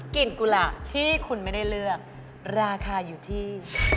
กุหลาบที่คุณไม่ได้เลือกราคาอยู่ที่